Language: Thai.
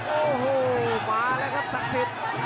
โอ้โหมาแล้วครับศักดิ์สิทธิ์